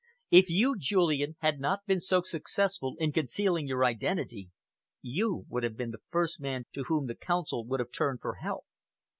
If you, Julian, had not been so successful in concealing your identity, you would have been the first man to whom the Council would have turned for help.